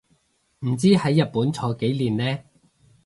唔知喺日本坐幾年呢